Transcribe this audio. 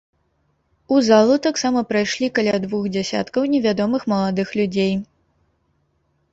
У залу таксама прайшлі каля двух дзясяткаў невядомых маладых людзей.